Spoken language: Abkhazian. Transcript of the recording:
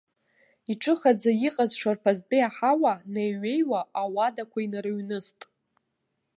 Иҿыхаӡа иҟаз шарԥазтәи аҳауа неи-ҩеиуа ауадақәа инарыҩныст.